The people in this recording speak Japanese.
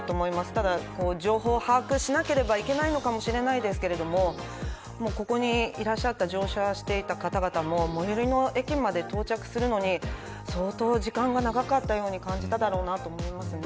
ただ、情報を把握しなければいけないのかもしれないですけどもう、ここにいらっしゃった乗車していた方々も最寄りの駅まで到着するのに相当、時間が長かったように感じただろうなと思いますね。